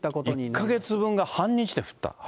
１か月分が半日で降った？